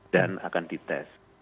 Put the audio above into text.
dan akan dites